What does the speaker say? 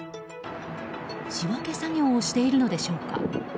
仕分け作業をしているのでしょうか。